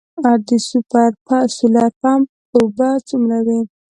د سولر پمپ اوبه څومره وي؟